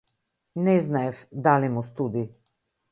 Не знаев дали му студи.